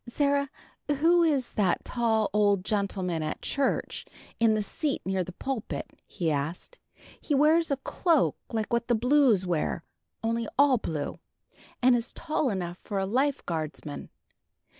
"Sarah, who is that tall old gentleman at church, in the seat near the pulpit?" he asked. "He wears a cloak like what the Blues wear, only all blue, and is tall enough for a Life guardsman.